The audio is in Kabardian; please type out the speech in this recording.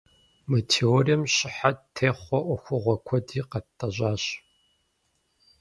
Мы теорием щыхьэт техъуэ ӏуэхугъуэ куэди къатӏэщӏащ.